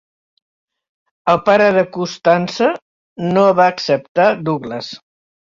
El pare de Custance no va acceptar Douglas.